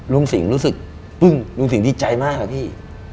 รุงสิงรู้สึกปึ้งรุงสิงดีใจมากเลยพี่